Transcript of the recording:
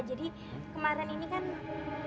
jadi kemarin ini kan aku ke rumah sakit